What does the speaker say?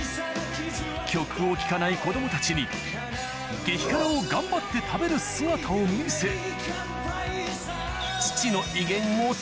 曲を聴かない子供たちに激辛を頑張って食べる姿を見せロックンロール！